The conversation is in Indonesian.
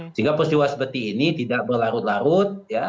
sehingga peristiwa seperti ini tidak berlarut larut